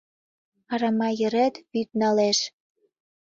Арама йырет вӱд налеш.